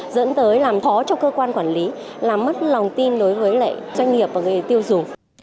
dẫn tới làm khó cho cơ quan quản lý làm mất lòng tin đối với doanh nghiệp và người tiêu dùng